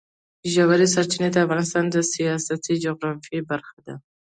ژورې سرچینې د افغانستان د سیاسي جغرافیه برخه ده.